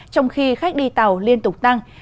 trong khi khách đi tàu liên tục tăng